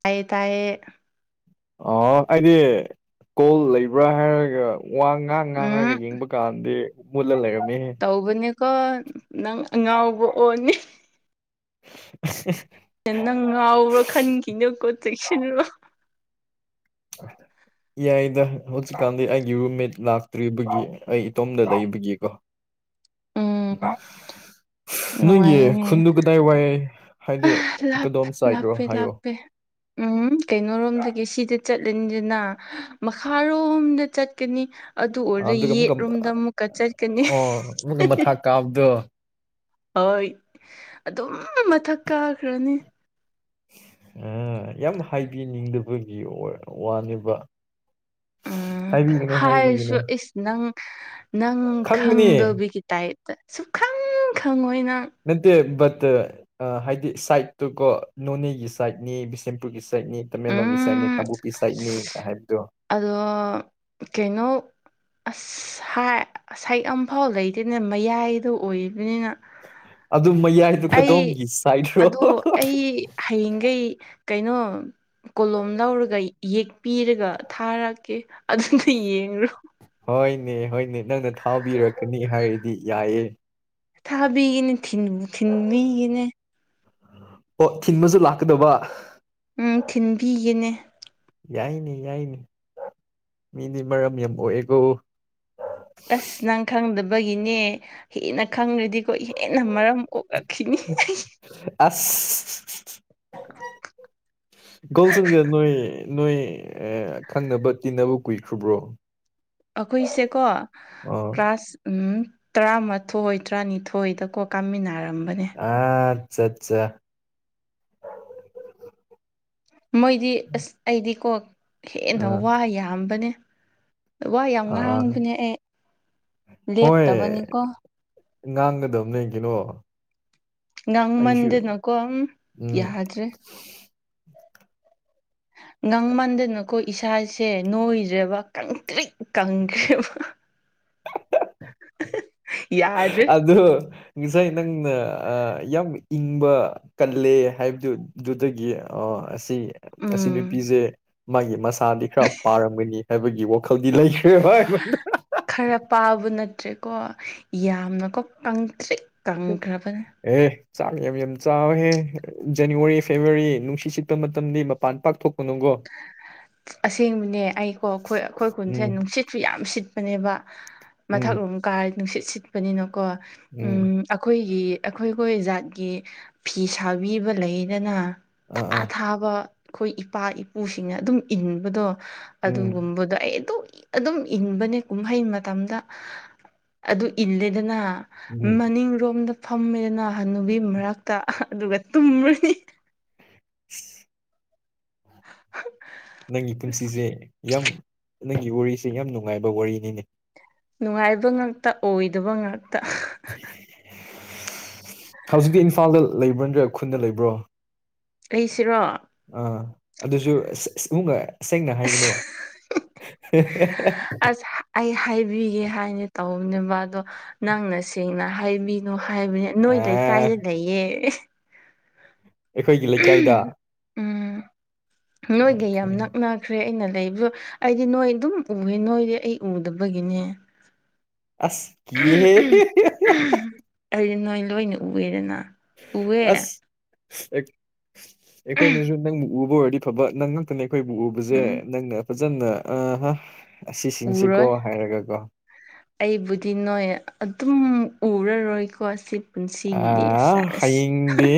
ꯇꯥꯏꯌꯦ ꯇꯥꯏꯌꯦ ꯑ ꯑꯩꯗꯤ ꯀꯣꯜ ꯂꯩꯕ꯭ꯔꯥ ꯍꯥꯏꯔꯒ ꯋꯥ ꯉꯥꯛ ꯉꯥꯡꯔꯒ ꯎꯝ ꯌꯦꯡꯕ ꯀꯥꯟꯗꯤ ꯃꯨꯜꯂ ꯂꯩꯔꯝꯃꯤ ꯍꯧꯕꯅꯦꯀꯣ ꯅꯪ ꯉꯥꯎꯕ ꯑꯣꯅꯤ [inaudible] ꯅꯪ ꯉꯥꯎꯕ꯭ꯔꯥ ꯈꯟꯈꯤꯅꯀꯣ ꯆꯦꯛꯁꯤꯜꯂꯨꯔꯣ ꯑ ꯌꯥꯏꯗ ꯍꯧꯖꯤꯛꯀꯥꯟꯗꯤ ꯑꯩꯒꯤ ꯔꯨꯝꯃꯦꯠ ꯂꯥꯛꯇ꯭ꯔꯤꯕꯒꯤ ꯑꯩ ꯏꯇꯣꯝꯗ ꯂꯩꯕꯒꯤꯀꯣ ꯎꯝ ꯅꯨꯡꯉꯥꯏꯅꯦ ꯀ ꯋꯥ ꯑ ꯂꯞ ꯂꯞꯄꯦ ꯂꯞꯄꯦ ꯎꯝ ꯎꯝ ꯀꯩꯅꯣꯔꯣꯝꯗꯒꯤ ꯁꯤꯗ ꯆꯠꯂꯅꯤꯗꯅ ꯃꯈꯥꯔꯣꯝꯗ ꯆꯠꯀꯅꯤ ꯑꯗꯨ ꯑꯣꯏꯔ ꯑꯗꯨꯒ ꯑꯃꯨꯛꯀ ꯌꯦꯠꯔꯣꯝꯗ ꯑꯃꯨꯛꯀ ꯆꯠꯀꯅꯤ ꯀꯞꯗ ꯍꯣꯏ ꯑꯗꯨꯝ ꯃꯊꯛ ꯀꯥꯈ꯭ꯔꯅꯤ ꯑ ꯌꯥꯝ ꯍꯥꯏꯕꯤꯅꯤꯡꯗꯕꯒꯤ ꯋꯥꯅꯦꯕ ꯎꯝ ꯍꯥꯏꯕꯤꯒꯅꯨ ꯍꯥꯏꯕꯤꯒꯅꯨ ꯍꯥꯏꯔꯁꯨ ꯏꯁ ꯅꯪ ꯅꯪ ꯈꯪꯒꯅꯤ ꯈꯪꯗꯕꯤꯒꯤ ꯇꯥꯏꯞꯇ ꯁꯨꯈꯪ ꯈꯪ ꯑꯣꯏꯅ ꯃꯠꯇꯦꯕꯠꯇ ꯑ ꯍꯥꯏꯗꯤ ꯁꯥꯏꯠꯇꯨꯀꯣ ꯅꯣꯅꯦꯒꯤ ꯁꯥꯏꯠꯅꯤ ꯕꯤꯁꯦꯝꯄꯨꯔꯒꯤ ꯁꯥꯏꯠꯅꯤ ꯇꯃꯦꯡꯂꯣꯡꯒꯤ ꯁꯥꯏꯠꯅꯤ ꯎꯝ ꯀꯥꯡꯕꯨꯄꯤ ꯁꯥꯏꯠꯅꯤ ꯍꯥꯏꯕꯗꯣ ꯑꯗꯣ ꯀꯩꯅꯣ ꯑꯁꯁꯥꯏꯛ ꯑꯝꯐꯥꯎ ꯂꯩꯇꯅ ꯃꯌꯥꯏꯗꯣ ꯑꯣꯏꯔꯤꯕꯅꯤꯅ ꯑꯗꯨ ꯃꯌꯥꯏꯗꯨ ꯀꯇꯣꯝꯒꯤ ꯁꯥꯏꯠ꯭ꯔꯣ ꯑꯗꯣ ꯑꯩ ꯍꯌꯦꯡꯈꯩ ꯀꯩꯅꯣ ꯀꯣꯂꯣꯝ ꯂꯧꯔꯒ ꯌꯦꯛꯄꯤꯔꯒ ꯊꯥꯔꯛꯀꯦ ꯑꯗꯨꯅ ꯌꯦꯡꯔꯣ ꯍꯣꯏꯅꯦ ꯍꯣꯏꯅꯦ ꯅꯪꯅ ꯊꯥꯎꯕꯤꯔꯛꯀꯅꯤ ꯍꯥꯏꯔꯗꯤ ꯌꯥꯏꯌꯦ ꯊꯥꯕꯤꯒꯅꯦ ꯊꯤꯟꯕꯤꯒꯅꯦ ꯑꯣ ꯊꯤꯟꯕꯁꯨ ꯂꯥꯛꯀꯗꯕ ꯎꯝ ꯊꯤꯟꯤꯟꯕꯤꯒꯅꯦ ꯌꯥꯏꯅꯤ ꯌꯥꯏꯅꯤ ꯃꯤꯗꯤ ꯃꯔꯝ ꯌꯥꯝ ꯄꯣꯛꯑꯦꯀꯣ ꯑꯁ ꯅꯪ ꯈꯪꯗꯕꯒꯤꯅꯦ ꯍꯦꯟꯅ ꯈꯪꯗ꯭ꯔꯗꯤꯀꯣ ꯍꯦꯟꯅ ꯃꯔꯝ ꯑꯣꯂ ꯅꯤ ꯑꯁ ꯀꯣꯜꯁꯒꯦ ꯅꯣꯏ ꯅꯣꯏ ꯑꯦ ꯈꯪꯅꯕ ꯇꯤꯟꯅꯕ ꯀꯨꯏꯈ꯭ꯔꯕ꯭ꯔꯣ ꯑꯩꯈꯣꯏꯁꯦꯀꯣ ꯑꯣ ꯀ꯭ꯂꯥꯁ ꯎꯝ ꯇꯔꯥꯃꯥꯊꯣꯏ ꯇꯔꯥꯅꯤꯊꯣꯏꯗꯀꯣ ꯀꯥꯃꯤꯟꯅꯔꯝꯕꯅꯦ ꯑ ꯑꯠꯆꯥ ꯑꯠꯆꯥ ꯃꯣꯏꯗꯤ ꯑꯁ ꯑꯩꯗꯤꯀꯣ ꯍꯦꯟꯅ ꯑꯥ ꯋꯥ ꯌꯥꯝꯕꯅꯦ ꯋꯥ ꯌꯥꯝ ꯑꯥ ꯉꯍꯥꯡꯗꯨꯅꯦ ꯑꯩ ꯍꯣꯏ ꯂꯦꯞꯇꯕꯅꯤꯀꯣ ꯉꯥꯡꯒꯗꯕꯅꯦ ꯀꯩꯅꯣ ꯑꯩꯁꯨ ꯉꯥꯡꯃꯟꯗꯅꯀꯣ ꯌꯥꯗ꯭ꯔꯦ ꯎ ꯉꯥꯡꯃꯟꯗꯅꯀꯣ ꯏꯁꯥꯁꯦ ꯅꯣꯏꯗ꯭ꯔꯦꯕ ꯀꯪꯇ꯭ꯔꯤꯛ ꯀꯪꯈ꯭ꯔꯦꯕ [inaudible] ꯌꯥꯗ꯭ꯔꯦ ꯑꯗ ꯉꯁꯥꯏ ꯅꯪꯅ ꯌꯥꯝ ꯏꯪꯕ ꯀꯜꯂꯦ ꯍꯥꯏꯕꯗꯨꯗꯨꯗꯒꯤ ꯑ ꯑꯁꯤ ꯑꯁꯤ ꯎꯝ ꯅꯨꯄꯤꯁꯦ ꯃꯥꯒꯤ ꯃꯁꯥꯗꯤ ꯈꯔ ꯄꯥꯔꯝꯒꯅꯤ ꯍꯥꯏꯕꯒꯤ ꯈꯧꯗꯤ ꯂꯩꯈ꯭ꯔꯦ ꯍꯚ ꯈꯔ ꯄꯥꯕ ꯅꯠꯇ꯭ꯔꯦꯀꯣ ꯌꯥꯝꯅꯀꯣ ꯀꯪꯗ꯭ꯔꯤ ꯀꯪꯈ꯭ꯔꯕꯅꯦ ꯑꯦ ꯆꯥꯡ ꯌꯥꯝ ꯌꯥꯝ ꯆꯥꯎꯋꯦꯍꯦ ꯖꯅꯋꯥꯔꯤ ꯐꯦꯕꯋꯥꯔꯤ ꯅꯨꯡꯁꯤ ꯆꯠꯄ ꯃꯇꯝꯗꯤ ꯃꯄꯥꯟ ꯄꯥꯛꯊꯣꯛ ꯑꯁꯦꯡꯕꯅꯦ ꯑꯩꯀꯣ ꯑꯩꯈꯣꯏ ꯑꯩꯈꯣꯏ ꯀꯨꯟꯁꯦ ꯎꯝ ꯅꯨꯡꯁꯤꯠꯁꯨ ꯌꯥꯝ ꯁꯤꯠ ꯄꯅꯦꯕ ꯎꯝ ꯃꯊꯛꯂꯣꯝ ꯀꯥꯔꯦ ꯅꯨꯡꯁꯤꯠ ꯁꯤꯠꯄꯅꯤꯅꯀꯣ ꯎꯝ ꯑꯩꯈꯣꯏꯒꯤ ꯑꯩꯈꯣꯏꯈꯣꯏ ꯖꯥꯠꯀꯤ ꯐꯤ ꯁꯥꯕꯤꯕ ꯂꯩꯗꯅ ꯑꯥ ꯊꯥ ꯑꯥ ꯊꯥꯕ ꯑꯩꯈꯣꯏ ꯏꯄꯥ ꯏꯄꯨꯁꯤꯡꯅ ꯑꯗꯨꯝ ꯏꯟꯕꯗꯣ ꯎꯝ ꯑꯗꯨꯒꯨꯝꯕꯗꯣ ꯑꯩ ꯑꯗꯨꯝ ꯑꯗꯨꯝ ꯏꯟꯕꯅꯦ ꯀꯨꯝꯍꯩ ꯃꯇꯝꯗ ꯑꯗꯨ ꯏꯜꯂꯦꯗꯅ ꯎꯝ ꯃꯅꯤꯡ ꯔꯣꯝꯗ ꯐꯝꯃꯦꯗ ꯍꯥꯅꯨꯕꯤ ꯃꯔꯛꯇ ꯑꯗꯨꯒ ꯇꯨꯝꯃꯅꯤ꯫ [unintelligible] ꯅꯪꯒꯤ ꯑꯁ ꯄꯨꯟꯁꯤꯁꯦ ꯌꯥꯝ ꯅꯪꯒꯤ ꯋꯥꯔꯤꯁꯦ ꯌꯥꯝ ꯅꯨꯡꯉꯥꯏꯕ ꯋꯥꯔꯤꯅꯤꯅꯦ ꯫ ꯅꯨꯡꯉꯥꯏꯕ ꯉꯥꯛꯇ ꯑꯣꯏꯗꯕ ꯉꯥꯛꯇ ꯍꯧꯖꯤꯛꯇꯤ ꯏꯝꯐꯥꯜꯗ ꯂꯩꯕ꯭ꯔ ꯅꯠꯇ꯭ꯔ ꯈꯨꯟꯗ ꯂꯩꯕ꯭ꯔꯣ ꯑꯩꯁꯤꯔꯣ ꯑꯥ ꯑꯗꯨꯁꯨ ꯏꯃꯨꯡꯒ ꯁꯦꯡꯅ ꯍꯥꯏꯒꯅꯣ ꯑꯁ ꯑꯩ ꯍꯥꯏꯕꯤꯒꯦ ꯍꯥꯏꯅꯤ ꯇꯧꯕꯅꯦꯕ ꯃꯗꯣ ꯫ ꯅꯪꯅ ꯁꯦꯡꯅ ꯍꯥꯏꯕꯤꯅꯣ ꯍꯥꯏꯕꯅꯤ ꯅꯣꯏ ꯑꯥ ꯂꯩꯀꯥꯏꯗ ꯂꯩꯌꯦ ꯑꯩꯈꯣꯏꯒꯤ ꯂꯩꯀꯥꯏꯗ ꯎꯝ ꯅꯣꯏꯒꯤ ꯌꯥꯝ ꯑꯣꯀꯦ ꯅꯛꯅ ꯆꯠꯈ꯭ꯔꯦ ꯑꯩꯅ ꯂꯩꯕ ꯑꯩꯗꯤ ꯅꯣꯏ ꯑꯗꯨꯝ ꯎꯑꯦ ꯅꯣꯏꯗꯤ ꯑꯩ ꯎꯗꯕꯒꯤꯅꯦ ꯑꯁ ꯀꯤꯍꯦ ꯑꯩꯗꯤ ꯅꯣꯏ ꯂꯣꯏꯅ ꯎꯑꯦꯗꯅ ꯑꯁ ꯑꯩꯈꯣꯏꯅꯁꯨ ꯅꯪ ꯎꯕ ꯑꯣꯏꯔꯗꯤ ꯐꯕ ꯅꯪ ꯑꯩꯅ ꯑꯩꯈꯣꯏꯕꯨ ꯎꯕꯁꯦ ꯎꯝ ꯅꯪꯅ ꯐꯖꯅ ꯑ ꯑꯁꯤꯁꯤꯡꯁꯤꯀꯣ ꯎꯔꯣꯏ ꯍꯥꯏꯔꯒ ꯀꯣ ꯑꯩꯕꯨꯗꯤ ꯅꯣꯏ ꯑꯗꯨꯝ ꯎꯔꯔꯣꯏꯀꯣ ꯁꯤ ꯑ ꯄꯨꯟꯁꯤꯒꯤꯗꯤ ꯑꯁ ꯑꯁ ꯍꯌꯦꯡꯗꯤ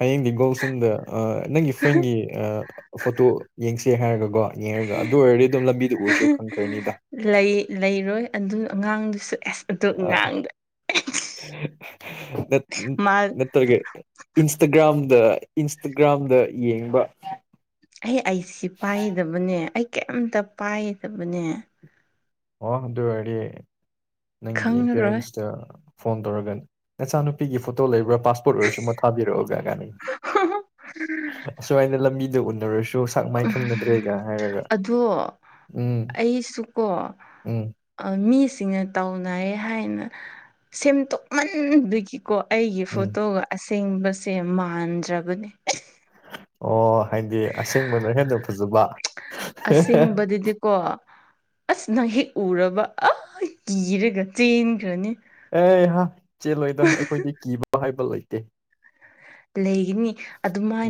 ꯍꯌꯦꯡꯗꯤ ꯒꯣꯜꯁꯟꯗ ꯅꯪꯒꯤ ꯐ꯭ꯔꯦꯟꯒꯤ ꯐꯣꯇꯣ ꯌꯦꯡꯁꯦ ꯍꯥꯏꯔꯒꯀꯣ ꯌꯦꯡꯉꯔꯒ ꯑꯗꯨ ꯑꯣꯏꯔꯗꯤ ꯑꯗꯨꯝ ꯂꯝꯕꯤꯗꯨ ꯎꯔꯁꯨ ꯈꯪꯈ꯭ꯔꯅꯤꯗ ꯂꯩ ꯂꯩꯔꯣꯏ ꯑꯗꯨ ꯑꯉꯥꯡꯗꯨꯁꯨ ꯑꯦꯁ ꯑꯗꯨ ꯉꯥꯡꯗ꯭ꯔ ꯃꯥ ꯏꯟꯁꯇꯒ꯭ꯔꯥꯝꯗ ꯏꯟꯁꯇꯒ꯭ꯔꯥꯝꯗ ꯌꯦꯡꯕ ꯑꯩ ꯑꯩꯁꯤ ꯄꯥꯏꯗꯕꯅꯦ ꯑꯩ ꯀꯩꯝꯇ ꯄꯥꯏꯗꯕꯅꯦ ꯑꯣ ꯑꯗꯨ ꯑꯣꯏꯔꯗꯤ ꯅꯪꯒꯤ ꯈꯪꯉꯔꯣꯏ ꯄꯦꯔꯦꯟꯁꯇ ꯐꯣꯟ ꯇꯧꯔꯒꯅꯤ ꯅꯆꯥꯅꯨꯄꯤꯒꯤ ꯐꯣꯇꯣ ꯂꯩꯕ꯭ꯔꯥ ꯄꯥꯁꯄꯣꯔꯠ ꯑꯣꯏꯔꯁꯨ ꯑꯃ ꯊꯥꯕꯤꯔꯛꯑꯣꯒ ꯀꯅꯩ ꯑꯁꯨꯃꯥꯏꯅ ꯂꯝꯕꯤꯗ ꯎꯅꯔꯁꯨ ꯁꯥꯛ ꯃꯥꯏ ꯈꯪꯅꯗ꯭ꯔꯦꯒ ꯍꯥꯏꯔꯒ ꯎꯝ ꯑꯩꯁꯨ ꯀꯣ ꯎꯝ ꯃꯤꯁꯤꯡꯅ ꯇꯥꯎꯅꯩ ꯍꯥꯏꯅ ꯁꯦꯝꯗꯣꯛ ꯃꯟꯕꯗꯒꯤꯀꯣ ꯑꯩꯒꯤ ꯎꯝ ꯐꯣꯇꯣꯒ ꯑꯁꯦꯡꯕꯁꯦ ꯃꯥꯟꯗ꯭ꯔꯕꯅꯦ ꯑꯣ ꯍꯥꯏꯗꯤ ꯑꯁꯦꯡꯕꯅ ꯍꯦꯟꯅ ꯐꯖꯕ ꯀꯣ ꯑꯁ ꯅꯪꯍꯦꯛ ꯎꯔꯕ ꯑ ꯀꯤꯔꯒ ꯆꯦꯟꯈ꯭ꯔꯅꯤ ꯑꯦꯍꯥ ꯆꯦꯜꯂꯣꯏꯗ ꯑꯩꯈꯣꯏꯗꯤ ꯀꯤꯕ ꯍꯥꯏꯕ ꯂꯩꯇꯦ ꯂꯩꯒꯅꯤ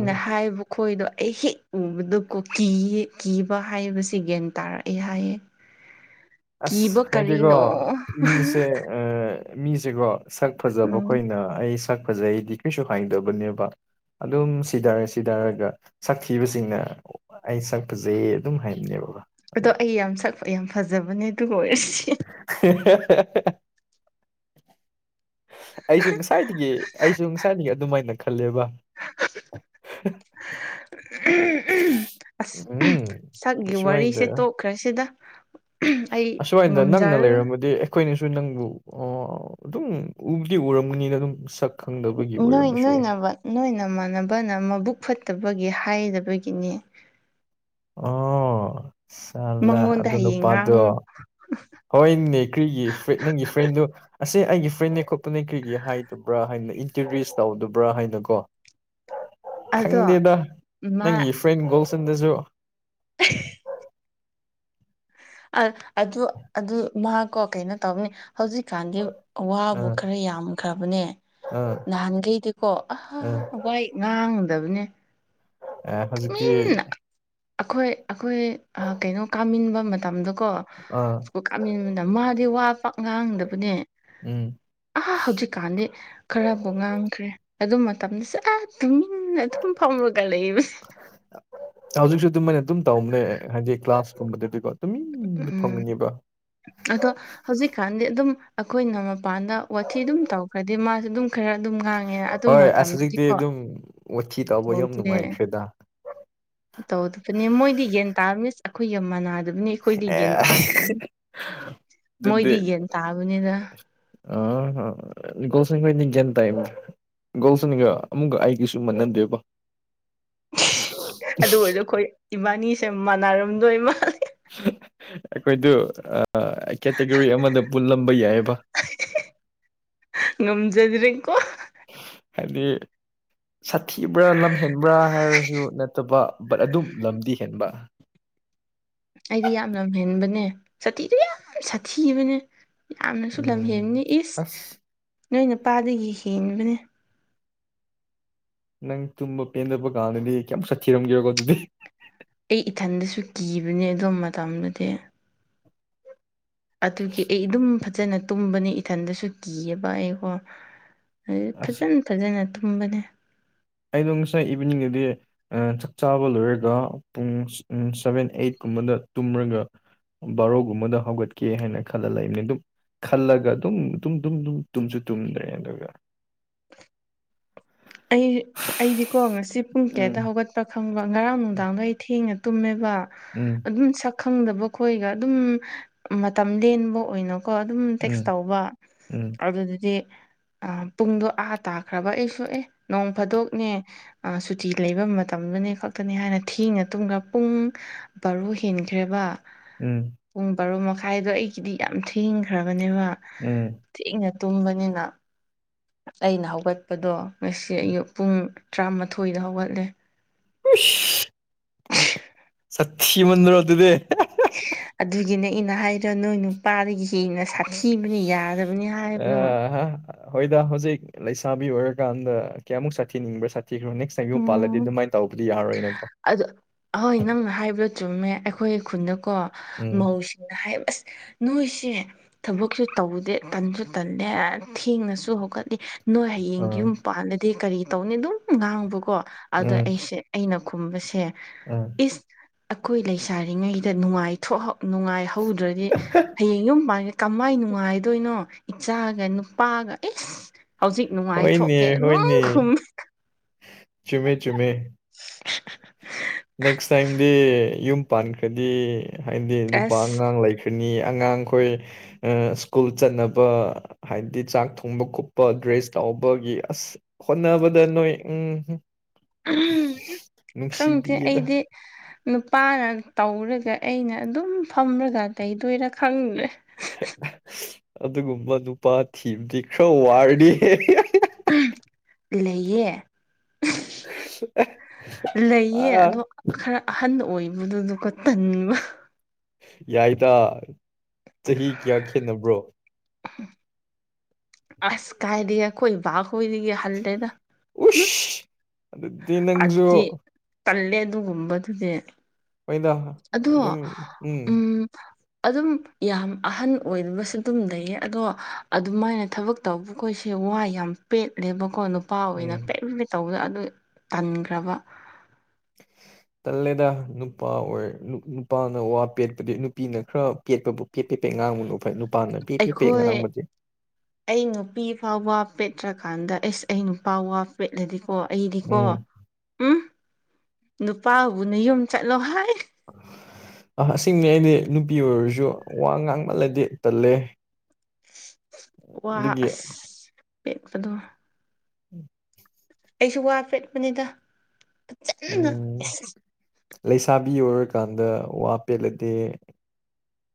ꯎꯝ ꯍꯥꯏꯕ ꯑꯏꯗꯣ ꯑꯩ ꯍꯦꯛ ꯎꯕꯗ ꯀꯣ ꯀꯤ ꯀꯤꯕ ꯍꯥꯏꯕꯁꯤꯦ ꯒ꯭ꯌꯥꯟ ꯇꯥꯔꯛꯑꯦ ꯍꯥꯏꯌꯦ [unintelligible] ꯑꯁ ꯍꯥꯏꯗꯤꯀꯣ ꯀꯔꯤꯅꯣ ꯃꯤꯁꯦ ꯃꯤꯁꯦꯀꯣ ꯁꯛ ꯎꯝ ꯐꯖꯕꯈꯣꯏꯅ ꯑꯩ ꯁꯛ ꯐꯖꯩꯗꯤ ꯀꯩꯁꯨ ꯍꯥꯏꯗꯕꯅꯦꯕ ꯫ ꯑꯗꯨꯝ ꯁꯤꯗꯔꯦ ꯁꯤꯗꯔꯒ ꯁꯛꯊꯤꯕꯁꯤꯡꯅ ꯑꯩ ꯁꯛ ꯐꯖꯩ ꯑꯗꯨꯝ ꯍꯥꯏꯕꯅꯦꯕ ꯑꯗꯣ ꯑꯩ ꯌꯥꯝ ꯁꯛ ꯌꯥꯝ ꯐꯖꯕꯅꯦ ꯑꯗꯨꯑꯏꯔꯗꯤ [unintelligible] ꯑꯩꯁꯨ ꯉꯁꯥꯏꯗꯒꯤ ꯑꯩꯁꯨ ꯉꯁꯥꯏꯗꯒꯤ ꯑꯗꯨꯝꯥꯏꯅ ꯈꯜꯂꯦꯕ [unintelligible] ꯑꯁ ꯎꯝ ꯁꯛꯒꯤ ꯑꯁ꯭ꯋꯥꯏꯗ ꯋꯥꯔꯤꯁꯦ ꯇꯣꯛꯈ꯭ꯔꯁꯤꯗ ꯑꯩ ꯑꯁꯥꯏꯗ ꯅꯛꯅ ꯉꯝꯖꯔꯔꯣꯏ ꯂꯩꯔꯝꯃꯗꯤ ꯑꯩꯈꯣꯏꯅꯁꯨ ꯅꯪꯕꯨ ꯑꯗꯨꯝ ꯎꯕꯨꯗꯤ ꯎꯔꯝꯃꯅꯤꯅ ꯑꯗꯨꯝ ꯁꯛ ꯈꯪꯗꯕꯒꯤ ꯅꯣꯏ ꯑꯣꯏꯔꯝꯕꯁꯨ ꯌꯥꯏ ꯅꯣꯏꯅꯕ ꯅꯣꯏꯅꯃꯥꯟꯅꯕꯅ ꯃꯕꯨꯛ ꯐꯠꯇꯕꯒꯤ ꯍꯥꯏꯕꯒꯤꯅꯦ ꯑꯣ ꯆꯠꯂ ꯃꯉꯣꯟꯗ ꯑꯗꯨ ꯍꯌꯦꯡ ꯅꯨꯄꯥꯗꯣ ꯉꯥꯡꯉꯨ ꯍꯣꯏ ꯅꯦ ꯀ꯭ꯔꯤꯒꯤ ꯅꯪꯒꯤ ꯐ꯭ꯔꯦꯟꯗꯨꯣ ꯑꯁ ꯑꯩꯒꯤ ꯐ꯭ꯔꯦꯟꯅꯦ ꯈꯣꯠꯄꯅꯦ ꯀꯔꯤꯒꯤ ꯍꯥꯏꯗꯕ꯭ꯔꯥ ꯍꯥꯏꯅ ꯏꯟꯇ꯭ꯔꯗ꯭ꯌꯨꯁ ꯇꯧꯗꯕ꯭ꯔꯥ ꯍꯥꯏꯅ ꯀꯣ [inaudible] ꯑꯗꯣ ꯈꯪꯗꯦꯗ ꯃꯥ ꯅꯪꯒꯤ ꯐ꯭ꯔꯦꯟ ꯒꯣꯜꯁꯟꯗꯁꯨ ꯑꯗꯨ ꯑꯗꯨ ꯃꯍꯥꯛꯀꯣ ꯀꯩꯅꯣ ꯇꯧꯅꯤ ꯍꯧꯖꯤꯛꯀꯥꯟꯗꯤ ꯑꯋꯥꯕꯨ ꯑꯥ ꯈꯔ ꯌꯥꯝꯈ꯭ꯔꯕꯅꯦ ꯑꯥ ꯅꯍꯥꯟꯈꯩꯗꯤꯀꯣ ꯑꯥ ꯑꯏ ꯉꯥꯡꯒꯗꯕꯅꯦ ꯑ ꯍꯧꯖꯤꯛꯛꯇꯤ ꯑꯩꯈꯣꯏ ꯑꯩꯈꯣꯏ ꯀꯩꯅꯣ ꯀꯥꯃꯤꯟꯕ ꯃꯇꯝꯗꯣ ꯀꯣ ꯑꯥ ꯏꯁꯀꯨꯜ ꯀꯥꯃꯤꯟꯅ ꯃꯥꯗꯤ ꯋꯥ ꯄꯛ ꯉꯥꯡꯗꯕꯅꯦ ꯎꯝ ꯑꯥ ꯍꯧꯖꯤꯛꯀꯥꯟꯗꯤ ꯈꯔꯕꯨ ꯉꯥꯡꯈ꯭ꯔꯦ ꯑꯗꯨ ꯃꯇꯝꯗꯁꯨ ꯑꯥ ꯇꯨꯃꯤꯟꯅ ꯑꯗꯨꯝ ꯐꯥꯎꯔꯒ ꯂꯩꯕꯁꯦ ꯫ ꯍꯧꯖꯤꯛꯁꯨ ꯑꯗꯨꯝ ꯃꯥꯏꯅ ꯑꯗꯨꯝ ꯇꯧꯕꯅꯦ ꯍꯥꯏꯗꯤ ꯀ꯭ꯂꯥꯁꯀꯨꯝꯕꯗꯗꯤꯀꯣ ꯇꯨꯃꯤꯟꯅ ꯎꯝ ꯐꯝꯒꯅꯦꯕ ꯑꯗꯣ ꯍꯧꯖꯤꯛꯀꯥꯟꯗꯤ ꯑꯗꯨꯝ ꯑꯩꯈꯣꯏꯅ ꯃꯄꯥꯟꯗ ꯋꯥꯊꯤ ꯑꯗꯨꯝ ꯇꯧꯈ꯭ꯔꯗꯤ ꯃꯥꯁꯨꯦ ꯑꯗꯨꯝ ꯈꯔ ꯑꯗꯨꯝ ꯉꯥꯡꯉꯦ ꯑꯗꯨ ꯍꯣꯏ ꯑꯁ ꯍꯧꯖꯤꯛꯇꯤ ꯃꯇꯝꯗꯗꯤꯀꯣ ꯑꯗꯨꯝ ꯋꯥꯊꯤ ꯇꯧꯕ ꯌꯥꯝ ꯇꯧꯗꯦ ꯅꯨꯡꯉꯥꯏꯈ꯭ꯔꯦꯗ ꯇꯧꯗꯕꯅꯦ ꯃꯣꯏꯗꯤ ꯒꯌꯟ ꯇꯥꯕꯅꯤ ꯑꯩꯈꯣꯏꯒ ꯃꯅꯥꯗꯕꯅꯤ ꯑꯩꯈꯣꯏꯗꯤ ꯑꯦ ꯒꯌꯟ ꯇꯥꯗꯕꯅꯤ ꯃꯣꯏꯗꯤ ꯒꯟ ꯇꯥꯕꯅꯤꯗ꯫ ꯑꯁ ꯆꯦꯟ ꯇꯥꯏ ꯒꯣꯜꯁꯅꯤꯒ ꯑꯃꯨꯛꯀ ꯑꯩꯒꯤꯁꯨ ꯃꯥꯟꯍꯟꯗꯦꯕ ꯑꯗꯨ ꯑꯣꯏꯔꯗꯣ ꯑꯩꯈꯣꯏ ꯏꯕꯥꯅꯤꯁꯦ ꯃꯥꯟꯅꯔꯝꯗꯣꯏ ꯃꯥꯂꯦ ꯑꯩꯈꯣꯏꯗꯨ ꯀꯦꯇꯒꯣꯔꯤ ꯑꯃꯗ ꯄꯨꯜꯂꯝꯕ ꯌꯥꯏꯑꯕ ꯉꯝꯖꯗ꯭ꯔꯦꯀꯣ ꯍꯥꯏꯗꯤ ꯁꯥꯊꯤꯕ꯭ꯔꯥ ꯂꯝ ꯍꯦꯟꯕ꯭ꯔꯥ ꯍꯥꯏꯔꯁꯨ ꯅꯠꯇꯕ ꯕꯠ ꯑꯗꯨꯝ ꯂꯝꯗꯤ ꯍꯦꯟꯕ ꯑꯩꯗꯤ ꯌꯥꯝ ꯂꯝꯍꯦꯟꯕꯅꯦ ꯁꯥꯊꯤꯗꯨ ꯌꯥꯝ ꯁꯥꯊꯤꯕꯅꯦ ꯌꯥꯝꯅꯁꯨ ꯂꯝ ꯍꯦꯟꯕꯅꯤ ꯎꯝ ꯏꯁ ꯑꯁ ꯅꯣꯏ ꯅꯨꯄꯥꯗꯒꯤ ꯍꯦꯟꯕꯅꯦ ꯅꯪ ꯇꯨꯝꯕ ꯄꯦꯟꯗꯄ ꯀꯥꯟꯗꯗꯤ ꯀꯩꯝꯛ ꯁꯛꯈꯤꯤꯔꯝꯒꯦꯕꯀꯣ ꯑꯗꯨꯗꯤ ꯑꯩ ꯏꯊꯟꯗꯁꯨ ꯀꯤꯕꯅꯦ ꯑꯗꯨꯝ ꯃꯇꯝꯗꯨꯗꯤ ꯑꯗꯨꯒꯤ ꯑꯩ ꯑꯗꯨꯝ ꯐꯖꯅ ꯇꯨꯝꯕꯅꯤ ꯏꯊꯟꯗꯁꯨ ꯀꯤꯌꯦꯕ ꯑꯩꯀꯣ ꯑꯗꯨ ꯑꯁ ꯐꯖꯅ ꯐꯖꯅ ꯇꯨꯝꯕꯅꯦ ꯑꯩꯗꯣ ꯉꯁꯥꯏ ꯏꯚꯅꯤꯡꯗꯗꯤ ꯆꯥꯛ ꯆꯥꯕ ꯂꯣꯏꯔꯒ ꯄꯨꯡ ꯁꯚꯦꯟ ꯑꯩꯠꯀꯨꯝꯕꯗ ꯇꯨꯝꯔꯒ ꯕꯥꯔꯣꯒꯨꯝꯕꯗ ꯍꯧꯒꯠꯀꯦ ꯍꯥꯏꯅ ꯈꯜꯂ ꯂꯩꯕꯅꯤ ꯑꯗꯨꯝ ꯈꯜꯂꯒ ꯑꯗꯨꯝ ꯑꯗꯨꯝꯝ ꯇꯨꯝꯁꯨ ꯇꯨꯝꯗ꯭ꯔꯦ ꯑꯗꯨꯒ ꯑꯩ ꯑꯩꯗꯤꯀꯣ ꯉꯁꯤ ꯄꯨꯡ ꯇꯦꯠꯇ ꯎꯝ ꯍꯧꯒꯠꯄ ꯈꯪꯕ ꯉꯔꯥꯡ ꯅꯨꯡꯗꯥꯡꯗ ꯑꯩ ꯊꯦꯡꯉ ꯇꯨꯝꯃꯤꯕ ꯎꯝ ꯑꯗꯨꯝ ꯁꯛ ꯈꯪꯗꯕ ꯈꯣꯏꯒ ꯑꯗꯨꯝ ꯃꯇꯝ ꯂꯦꯟꯕ ꯑꯣꯏꯅ ꯀꯣ ꯑꯗꯨꯝ ꯇꯦꯛꯁ ꯎꯝ ꯇꯧꯕ ꯎꯝ ꯑꯗꯨꯗꯨꯗꯤ ꯑ ꯄꯨꯡꯗꯣ ꯑꯥ ꯇꯥꯈ꯭ꯔꯕ ꯑꯩ ꯁꯣꯛꯑꯦ ꯅꯣꯡ ꯐꯥꯗꯣꯛꯅꯦ ꯁꯨꯇꯤ ꯂꯩꯕ ꯃꯇꯝꯗꯨꯅꯦ ꯈꯛꯇꯅꯤ ꯍꯥꯏꯅ ꯊꯦꯡꯅ ꯇꯨꯝꯈ ꯄꯨꯡ ꯕꯥꯔꯨ ꯍꯦꯟꯈ꯭ꯔꯦꯕ ꯎꯝ ꯄꯨꯡ ꯕꯥꯔꯣ ꯃꯈꯥꯏꯗꯣ ꯑꯩꯒꯤꯗꯤ ꯌꯥꯝ ꯊꯦꯡꯈ꯭ꯔꯕꯅꯦꯕ ꯎꯝ ꯊꯤꯅ ꯇꯨꯝꯕꯅꯤꯅ ꯑꯩꯅ ꯍꯧꯒꯠꯄꯗꯣ ꯉꯁꯤ ꯎꯝ ꯑꯌꯨꯛ ꯄꯨꯡ ꯇꯔꯥꯃꯥꯊꯣꯏꯗ ꯍꯧꯒꯠꯂꯦ ꯈꯨꯁ ꯁꯠꯤꯃꯟ꯭ꯔꯣ ꯑꯗꯨꯗꯦ ꯑꯗꯨꯒꯤꯅꯦ ꯑꯩꯅ ꯍꯥꯏꯔꯣ ꯅꯣꯏ ꯅꯨꯄꯥꯗꯒꯤ ꯍꯦꯟꯅ ꯁꯥꯛꯊꯤꯕꯅ ꯌꯥꯔꯕ ꯑ ꯍꯣꯏꯗ ꯍꯧꯖꯤꯛ ꯂꯩꯁꯥꯕꯤ ꯑꯣꯏꯔꯀꯥꯟꯗ ꯀꯌꯥꯃꯨꯛ ꯁꯥꯊꯤꯅꯤꯡꯕ꯭ꯔꯥ ꯁꯥꯊꯤꯈ꯭ꯔꯣ ꯅꯦꯛꯁ ꯁꯌꯨ ꯄꯥꯜꯂꯗꯤ ꯑꯗꯨꯃꯥꯏꯅ ꯇꯧꯕꯗꯤ ꯌꯥꯔꯣꯏꯅꯀꯣ ꯑꯗ ꯑꯍꯣꯏ ꯅꯪꯅ ꯍꯥꯏꯕꯗꯣ ꯆꯨꯝꯃꯦ ꯑꯩꯈꯣꯏꯒꯤ ꯈꯨꯟꯗꯀꯣ ꯎꯝ ꯃꯧꯁꯤ ꯅ ꯍꯥꯏꯕꯁ ꯅꯣꯏꯁꯦ ꯊꯕꯛꯁꯨ ꯇꯧꯗꯦ ꯇꯟꯁꯨ ꯇꯟꯂꯦ ꯊꯦꯡꯅꯁꯨ ꯍꯧꯣꯀꯠꯂꯤ ꯅꯣꯏ ꯍꯌꯦꯡ ꯑꯥ ꯌꯨꯝ ꯄꯥꯟꯜꯂꯗꯤ ꯀꯔꯤ ꯇꯧꯅꯤ ꯑꯗꯨꯝ ꯉꯥꯡꯕꯀꯣ ꯑꯗ ꯎꯝ ꯑꯩꯁꯦ ꯑꯩꯅ ꯈꯨꯝꯕꯁꯦ ꯎꯝ ꯏꯁ ꯑꯩꯈꯣꯏ ꯂꯩꯁꯔꯤꯉꯩꯗ ꯅꯨꯡꯉꯥꯏꯊ ꯅꯨꯡꯉꯥꯏꯍꯧꯗ꯭ꯔꯗꯤ ꯍꯌꯦꯡ ꯌꯨꯝ ꯄꯥꯟꯒꯦ ꯀꯃꯥꯏ ꯅꯨꯡꯉꯥꯏꯗꯣꯏꯅꯣ ꯏꯆꯥꯒ ꯅꯨꯄꯥꯒ ꯑꯦꯁ ꯍꯧꯖꯤꯛ ꯍꯣꯏꯅꯦ ꯅꯨꯡꯉꯥꯏꯊꯣꯛꯀꯦ ꯂꯣꯡ ꯍꯣꯏꯅꯦ ꯈꯨꯝ ꯆꯨꯝꯃꯦ ꯆꯨꯝꯃꯦ [unintelligible] ꯅꯦꯛꯁ ꯇꯥꯏꯝꯗꯤ ꯌꯨꯝ ꯄꯥꯟꯈ꯭ꯔꯗꯤ ꯍꯥꯏꯗꯤ ꯅꯨꯄꯥ ꯑꯁ ꯑꯉꯥꯡ ꯂꯩꯈ꯭ꯔ ꯀꯅꯤ ꯑꯉꯥꯡꯈꯣꯏ ꯁ꯭ꯀꯨꯜ ꯆꯠꯅꯕ ꯍꯥꯏꯗꯤ ꯆꯥꯛ ꯊꯣꯡꯕ ꯈꯣꯠꯄ ꯗ꯭ꯔꯦꯁ ꯇꯥꯎꯕꯒꯤ ꯑꯁ ꯍꯣꯠꯅꯕꯗ ꯅꯣꯏ ꯎꯝ ꯈꯪꯗꯦ ꯅꯨꯡꯁꯤꯕꯤꯌꯦꯗ ꯑꯩꯗꯤ ꯅꯨꯄꯥꯅ ꯇꯧꯔꯒ ꯑꯩꯅ ꯑꯗꯨꯝ ꯐꯝꯃꯒ ꯂꯩꯗꯣꯏꯔꯥ ꯈꯪꯗ꯭ꯔꯦ ꯑꯗꯨꯒꯨꯝꯕ ꯅꯨꯄꯥ ꯊꯤꯝꯗꯤ ꯈꯔ ꯋꯥꯔꯅꯤ ꯂꯩꯌꯦ ꯂꯩꯌꯦ ꯑꯥ ꯑꯗꯣ ꯈꯔ ꯑꯍꯟ ꯑꯣꯏꯕꯗꯨꯗꯨꯒ ꯇꯟꯕ ꯌꯥꯏꯗ ꯆꯍꯤ ꯀꯌꯥ ꯈꯦꯠꯅꯕ꯭ꯔꯣ ꯑꯁ ꯀꯥꯏꯔꯤꯒꯦ ꯑꯩꯣꯏ ꯚꯒ ꯑꯣꯏꯔꯤꯒꯦ ꯍꯜꯗꯗ ꯎꯁ ꯑꯗꯨꯗꯗꯤ ꯅꯪꯁꯨꯣ ꯀꯜꯂꯦ ꯑꯗꯨꯒꯨꯝꯕꯗꯨꯗꯤ ꯑꯣꯏꯗ ꯑꯗꯣ ꯎꯝ ꯑꯗꯨꯝ ꯌꯥꯝ ꯑꯍꯟ ꯑꯣꯏꯕꯁꯨ ꯑꯗꯨꯝ ꯂꯩꯌꯦ ꯑꯗꯣ ꯑꯗꯨꯃꯥꯏꯅ ꯊꯕꯛ ꯇꯧꯕꯈꯣꯏꯁꯦ ꯋꯥ ꯌꯥꯝ ꯄꯦꯠꯂꯦꯕꯀꯣ ꯅꯨꯄꯥ ꯑꯣꯏꯅ ꯎꯝ ꯄꯦꯂꯨꯕꯦ ꯇꯧꯕꯗ ꯑꯗꯨ ꯇꯟꯈ꯭ꯔꯕ ꯇꯜꯂꯦꯗ ꯅꯨꯄꯥ ꯑꯣꯏ ꯅꯨꯄꯥꯅ ꯋꯥ ꯄꯦꯠꯄꯗꯤ ꯅꯨꯄꯤꯅ ꯈꯔ ꯄꯦꯠꯄꯕꯨ ꯀꯦꯠꯄꯤꯄꯩ ꯉꯥꯡꯕꯅꯨ ꯐ ꯑꯩꯈꯣꯏ ꯑꯩ ꯅꯨꯄꯤ ꯐꯥꯎꯕ ꯄꯦꯠꯇ꯭ꯔꯀꯥꯟꯗ ꯑꯦꯁ ꯑꯩ ꯅꯨꯄꯥ ꯋꯥ ꯄꯦꯠꯂꯗꯤꯣ ꯑꯣ ꯑꯩꯗꯤꯀꯣ ꯎꯝ ꯎꯝ ꯅꯨꯄꯥꯕꯨꯅ ꯌꯨꯝ ꯆꯠꯂꯣ ꯍꯥꯏ ꯑꯁꯤꯡꯅꯦ ꯑꯩꯗꯤ ꯅꯨꯄꯤ ꯑꯣꯏꯔꯁꯨ ꯋꯥ ꯉꯥꯡꯃꯜꯂꯗꯤ ꯇꯜꯂꯦ ꯋꯥ ꯑꯗꯨꯒꯤ ꯑꯁ ꯄꯦꯠꯄꯗꯣ ꯎꯝ ꯑꯩꯁꯨ ꯋꯥ ꯄꯦꯠꯄꯅꯤꯗ ꯀꯟꯅ ꯎꯝ ꯑꯁ ꯂꯩꯁꯥꯕꯤ ꯑꯣꯏꯔꯀꯥꯟꯗ ꯋꯥ ꯄꯦꯜꯂꯗꯦ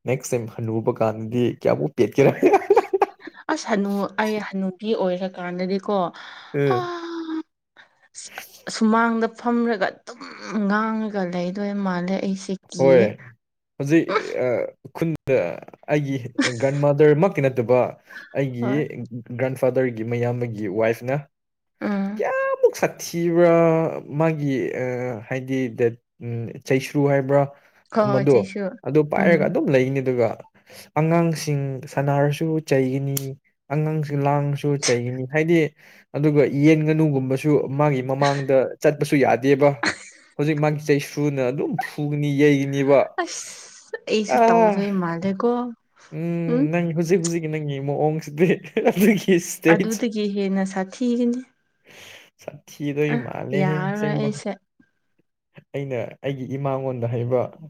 ꯅꯦꯛꯁ ꯇꯥꯏꯝ ꯍꯅꯨꯕ ꯀꯥꯟꯗꯗꯤ ꯀꯌꯥꯕꯨꯛ ꯄꯦꯠꯀꯦꯔꯔ ꯑꯁ ꯍꯅꯨ ꯑꯩ ꯍꯅꯨꯄꯤ ꯑꯣꯏꯔꯀꯥꯟꯗꯗꯤꯀꯣ ꯑ ꯎꯝ ꯁꯨꯃꯥꯡꯗ ꯐꯝꯔꯒ ꯑꯗꯨꯝ ꯉꯥꯡꯉꯒ ꯂꯩꯗꯣꯏ ꯃꯥꯜꯂꯦ ꯑꯩꯁꯦ ꯍꯣꯏ ꯀꯤꯌꯦ ꯍꯧꯖꯤꯛ ꯈꯨꯟꯗ ꯑꯩꯒꯤ ꯒ꯭ꯔꯥꯟꯃꯗꯔꯃꯛꯀꯤ ꯅꯠꯇꯕ ꯑꯩꯒꯤ ꯍꯣꯏ ꯒ꯭ꯔꯥꯟ ꯐꯥꯗꯔꯒꯤ ꯃꯌꯥꯝꯕꯒꯤ ꯋꯥꯏꯐꯅ ꯎꯝ ꯀꯌꯥꯃꯨꯛ ꯁꯥꯊꯤꯕ꯭ꯔꯥ ꯃꯥꯒꯤ ꯍꯥꯏꯗꯤ ꯗ ꯑ ꯆꯩꯁ꯭ꯔꯨ ꯍꯥꯏꯕ꯭ꯔꯥ ꯍꯣꯏ ꯍꯣꯏ ꯃꯗꯣ ꯆꯩꯁꯨ ꯑꯗꯨ ꯎꯝ ꯄꯥꯏꯔꯒ ꯑꯗꯨꯝ ꯂꯩꯅꯦ ꯑꯗꯨꯒ ꯑꯉꯥꯡꯁꯤꯡ ꯁꯥꯟꯅꯔꯁꯨ ꯆꯩꯒꯅꯤ ꯑꯉꯥꯡꯁꯤ ꯂꯥꯡꯕꯁꯨ ꯆꯩꯒꯅꯤ ꯍꯥꯏꯗꯤ ꯑꯗꯨꯒ ꯌꯦꯟ ꯉꯥꯅꯨꯒꯨꯝꯕꯁꯨ ꯃꯥꯒꯤ ꯃꯃꯥꯡꯗ ꯆꯠꯄꯁꯨ ꯌꯥꯗꯦꯕ ꯍꯧꯖꯤꯛ ꯃꯥꯒꯤ ꯆꯩ ꯁꯨꯅ ꯑꯗꯨꯝ ꯐꯨꯒꯅꯤ ꯌꯩꯒꯅꯤꯕ ꯑ ꯃꯥꯜꯗꯦꯀꯣ ꯎꯝ ꯅꯪ ꯍꯧꯖꯤꯛ ꯍꯧꯨꯖꯤꯛꯀꯤ ꯅꯪꯒꯤ ꯃꯑꯣꯡꯁꯤꯗꯤ ꯏꯁꯇꯦꯖ ꯑꯗꯨꯗꯒꯤ ꯍꯦꯟꯅ ꯁꯥꯊꯤꯒꯅꯤ ꯁꯥꯈꯤꯤꯗ ꯑ ꯍ ꯌꯥꯔꯔꯣꯏ ꯃꯥꯥꯂꯦꯍꯦꯁꯤꯡꯕ ꯑꯩꯁꯦ ꯑꯩꯅ ꯑꯩꯒꯤ ꯏꯃꯥꯉꯣꯟꯗ ꯍꯥꯏꯩꯕ